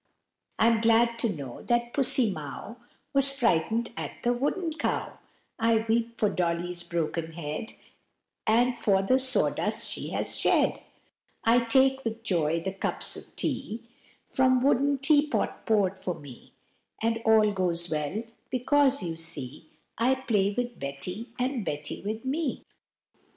I'm glad to know that Pussy Mow Was frightened at the wooden cow, I weep for Dolly's broken head, And for the sawdust she has shed; I take with joy the cups of tea From wooden teapot poured for me, And all goes well, because, you see, I play with Betty, and Betty with me.